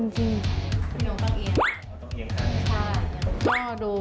ใช่